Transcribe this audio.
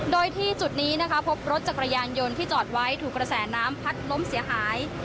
โดยที่จุดนี้นะคะพบรถจักรยานยนต์ที่จอดไว้ถูกกระแสน้ำพัดล้มเสียหาย